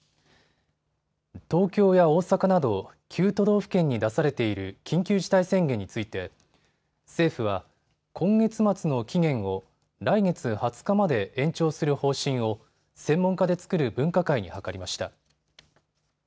東京や大阪など９都道府県に出されている緊急事態宣言について政府は今月末の期限を来月２０日まで延長する方針を専門家で作る分科会に諮りました。